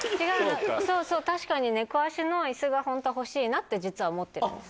そうそう確かに猫脚の椅子がホントは欲しいなって実は思ってたんです。